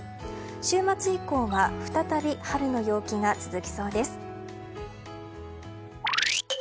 週末以降は再び春の陽気が続きそうです。